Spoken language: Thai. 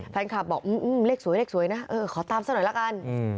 แฟนคลับบอกเลขสวยเลขสวยนะขอตามซะหน่อยละกัน